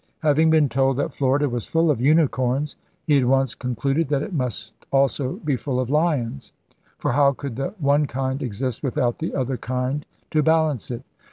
Ha^TQg been told that Florida was full of unicorns he at once concluded that it must also be full of hons: for how could the one kind exist without the other kind to balance it?